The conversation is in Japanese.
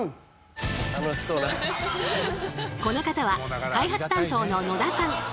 この方は開発担当の野田さん。